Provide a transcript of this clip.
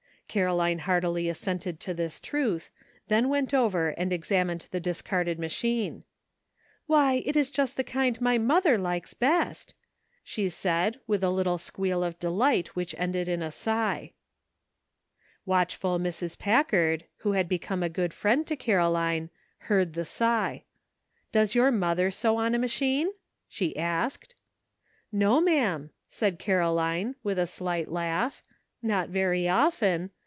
Caroline heartily assented to this truth, then went over and examined the discarded machine. "Why, it is just the kind my mother likes best !" she said, with a little squeal of delight which ended in a sigKi *' MERRY CHRISTMAS.'' 307 Watchful Mrs. Packard, who had become a good friend to CaroUne, heard the sigh. "Does your mother sew on a machine ?" she asked. '' No, ma'am," said Caroline, with a slight laugh, "not very often.